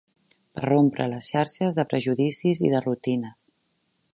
Per rompre les xarxes de prejudicis i de rutines